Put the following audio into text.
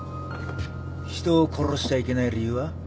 人を殺しちゃいけない理由は？